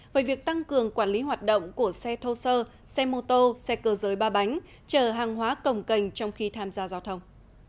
về việc tăng cường quản lý hoạt động của xe thô sơ xe mô tô xe cơ giới ba bánh chở hàng hóa cổng cành trong khi tham gia giao thông